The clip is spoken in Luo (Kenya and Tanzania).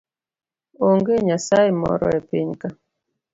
Onge nyasaye moro e pinyka